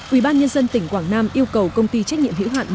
ubnd tỉnh quảng nam yêu cầu công ty trách nhiệm hữu hạn